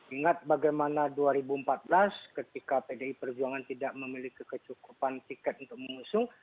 ingat bagaimana dua ribu empat belas ketika pdi perjuangan tidak memiliki kecukupan tiket untuk mengusung